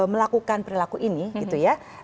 melakukan perilaku ini gitu ya